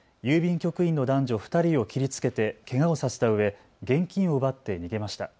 局員の男女２人を切りつけてけがをさせたうえ現金を奪って逃げました。